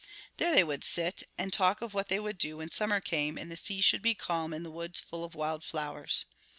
There they would sit and talk of what they would do when summer came and the sea should be calm and the woods full of wild flowers.